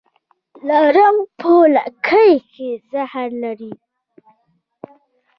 لړم په لکۍ کې زهر لري